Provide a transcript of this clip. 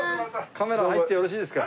カメラ入ってよろしいですか？